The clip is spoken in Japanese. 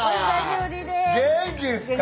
元気ですか？